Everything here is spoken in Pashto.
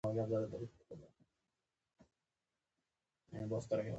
دا یو عام اصل دی.